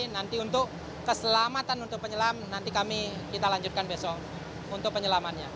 nanti untuk keselamatan untuk penyelam nanti kami kita lanjutkan besok untuk penyelamannya